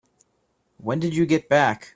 When did you get back?